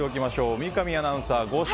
三上アナウンサーは５勝。